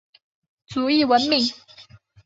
卒谥文敏。